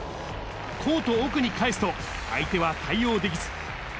コート奥に返すと、相手は対応できず。